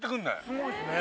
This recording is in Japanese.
すごいですね。